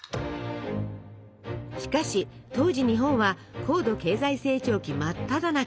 しかし当時日本は高度経済成長期真っただ中。